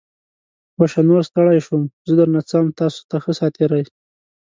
وشه. نوره ستړی شوم. زه درنه څم. تاسو ته ښه ساعتېری!